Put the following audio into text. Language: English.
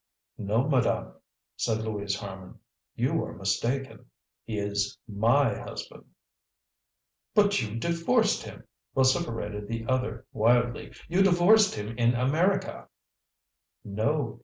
"No, madame," said Louise Harman, "you are mistaken; he is my husband." "But you divorced him," vociferated the other wildly. "You divorced him in America!" "No.